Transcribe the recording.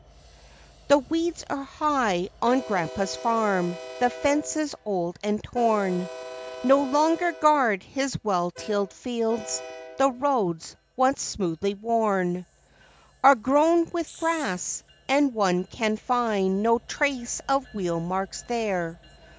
WEEDS are high p on grandpa's farm; the fences, old and torn, No longer guard his well tilled fields; the roads, once smoothly worn, Are grown with grass, and one can find no trace of wheel marks there.